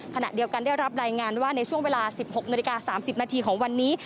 ขณะเดียวกันได้รับรายงานว่าในช่วงเวลา๑๖นาฬิกา๓๐นาทีของวันนี้